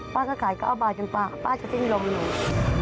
ป้าก็ขาย๙บาทจนกว่าป้าจะสิ้นลมอยู่